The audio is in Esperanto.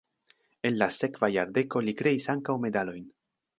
En la sekva jardeko li kreis ankaŭ medalojn.